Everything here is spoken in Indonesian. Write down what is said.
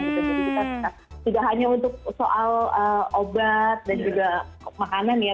jadi kita tidak hanya untuk soal obat dan juga makanan ya